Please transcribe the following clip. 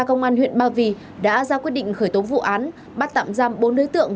công an huyện ba vì đã ra quyết định khởi tố vụ án bắt tạm giam bốn đối tượng